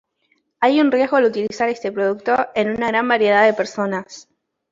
Hay un riesgo al utilizar este producto en una gran variedad de personas.